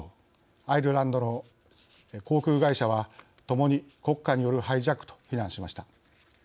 アイルランドの航空会社はともに国家によるハイジャックと非難しました。